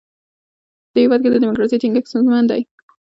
په دې هېواد کې د ډیموکراسۍ ټینګښت ستونزمن دی.